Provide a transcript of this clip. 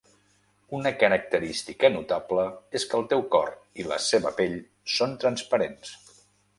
Una característica notable és que el teu cor i la seva pell són transparents.